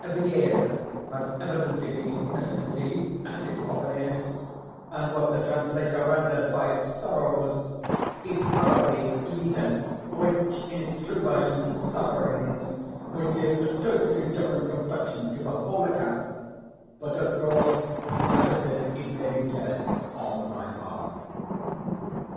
'Viele' has evidently been misconceived (as it often is), and what the translator renders by 'sorrows,' is probably 'lieden,' which, in its true version, 'sufferings,' would give a totally different complexion to the whole account; but, of course, much of this is merely guess, on my part.